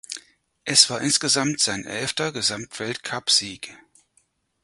Es war insgesamt sein elfter Gesamtweltcupsieg.